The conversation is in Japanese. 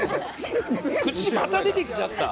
串、また出てきちゃった。